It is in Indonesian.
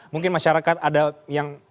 mungkin masyarakat ada yang